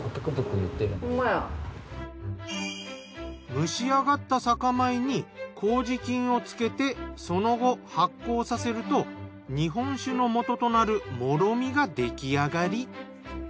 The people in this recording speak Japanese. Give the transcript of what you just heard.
蒸しあがった酒米に麹菌をつけてその後発酵させると日本酒のもととなる醪が出来上がり。